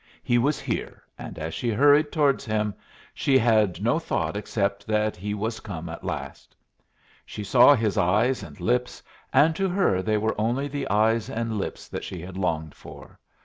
He was here; and as she hurried towards him she had no thought except that he was come at last. She saw his eyes and lips, and to her they were only the eyes and lips that she had longed for.